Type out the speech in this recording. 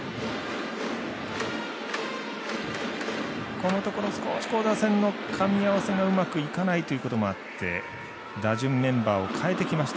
このところ少し打線のかみ合わせがうまくいかないということもあって打順メンバーを変えてきました